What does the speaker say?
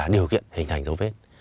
điều kiện hình thành dấu vết